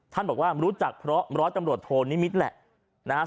ท่านบอกว่ารู้จักเพราะบร้อยจำรวจโทนนิมิต์แหละ